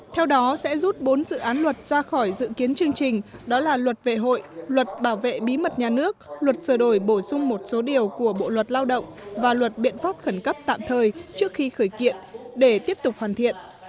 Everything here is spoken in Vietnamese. theo đó sẽ rút bốn dự án luật ra khỏi dự kiến chương trình đó là luật vệ hội luật bảo vệ bí mật nhà nước luật sửa đổi bổ sung một số điều của bộ luật lao động và luật biện pháp khẩn cấp tạm thời trước khi khởi kiện để tiếp tục hoàn thiện